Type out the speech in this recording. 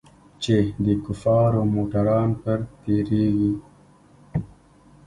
چې د کفارو موټران پر تېرېږي.